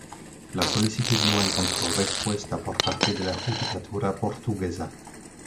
La solicitud no encontró respuesta por parte de la judicatura portuguesa.